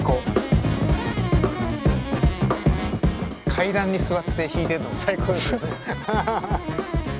階段に座って弾いてるのも最高ですよねハハハ。